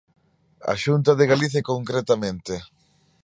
A Xunta de Galicia, concretamente.